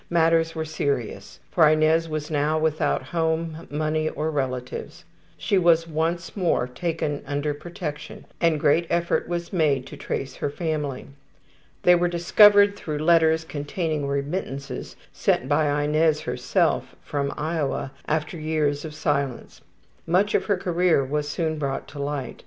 Matters were serious, for Inez was now without home, money, or relatives. She was once more taken under protection and greater effort was made to trace her family. They were discovered through letters containing remittances sent by Inez herself from Iowa, after years of silence. Much of her career was soon brought to light.